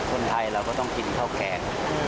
คนไทยเราก็ต้องกินข้าวแกง